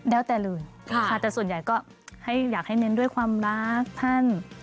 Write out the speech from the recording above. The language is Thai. แล้วแต่เลยค่ะแต่ส่วนใหญ่ก็อยากให้เน้นด้วยความรักท่าน